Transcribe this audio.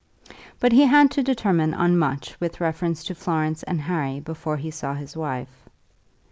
But he had to determine on much with reference to Florence and Harry before he saw his wife.